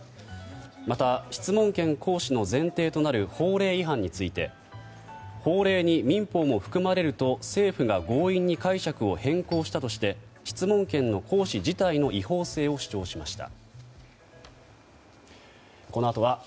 また質問権行使の前提となる法令違反について法令に民法も含まれると政府が強引に解釈を変更したとして質問権の行使自体の違法性を主張しました。